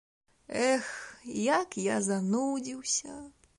Эх, як я занудзіўся.